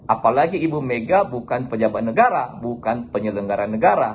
apalagi ibu mega bukan pejabat negara bukan penyelenggara negara